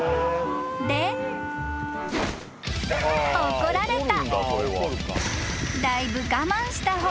［怒られた］